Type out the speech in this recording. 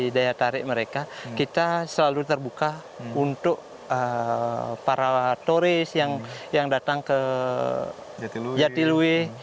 jadi daya tarik mereka kita selalu terbuka untuk para turis yang datang ke jatilui